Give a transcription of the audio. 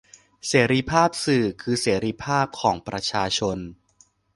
เสรีภาพสื่อคือเสรีภาพของประชาชน